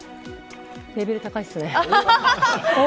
レベル高いっすね。